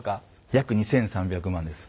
約２，３００万です。